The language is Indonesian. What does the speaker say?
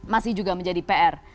masih juga menjadi pr